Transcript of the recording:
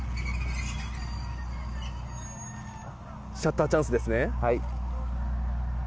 シャッターチャンスですね。